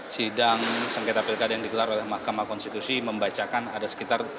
sidang sengketa pilkada yang digelar oleh mahkamah konstitusi membacakan ada sekitar